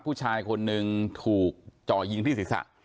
ผู้ชายคนหนึ่งถูกจ่อยิงที่ศีรษะ